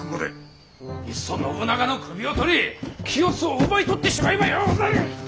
いっそ信長の首をとり清須を奪い取ってしまえばようござる！